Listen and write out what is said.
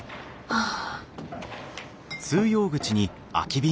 ああ。